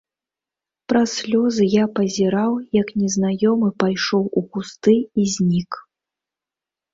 Праз слёзы я пазіраў, як незнаёмы пайшоў у кусты і знік.